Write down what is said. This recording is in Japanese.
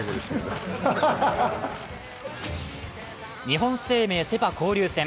日本生命セ・パ交流戦